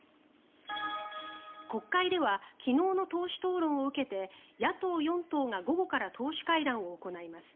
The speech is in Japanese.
国会では昨日の党首討論を受けて野党４党が午後から党首会談を行います。